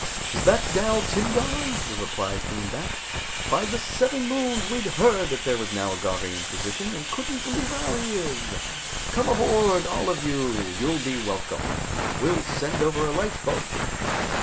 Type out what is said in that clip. "Is that Dal Timgar?" the reply came back. "By the Seven Moons! We'd heard that there was now a Garvian physician, and couldn't believe our ears. Come aboard, all of you, you'll be welcome. We'll send over a lifeboat!"